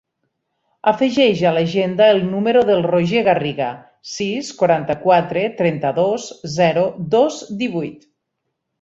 Afegeix a l'agenda el número del Roger Garriga: sis, quaranta-quatre, trenta-dos, zero, dos, divuit.